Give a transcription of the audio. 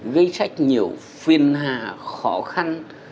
gây sách nhiều phiền hà khó khăn